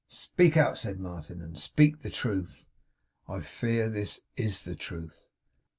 'Speak out!' said Martin, 'and speak the truth.' 'I fear this IS the truth.